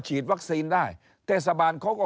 ฉีดวัคซีนได้เทศบาลเขาก็